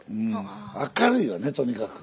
明るいよねとにかく。